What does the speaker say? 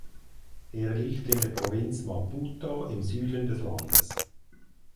Er liegt in der Provinz Maputo im Süden des Landes.